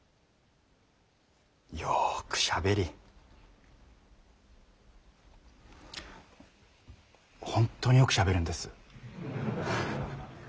よくしゃべり本当によくしゃべるんです。